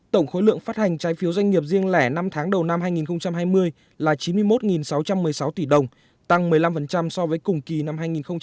tổng khối lượng phát hành trái phiếu doanh nghiệp riêng lẻ năm tháng đầu năm hai nghìn hai mươi là chín mươi một sáu trăm một mươi sáu tỷ đồng tăng một mươi năm so với cùng kỳ năm hai nghìn một mươi chín